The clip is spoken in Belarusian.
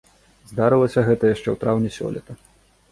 Здарылася гэта яшчэ ў траўні сёлета.